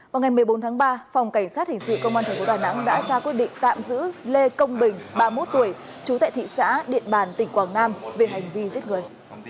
vào ngày một mươi bốn tháng ba phòng cảnh sát hình sự công an tp đà nẵng đã ra quyết định tạm giữ lê công bình ba mươi một tuổi chú tại thị xã điện bàn tỉnh quảng nam về hành vi giết người